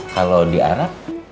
kalau di arab